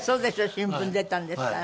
新聞に出たんですから。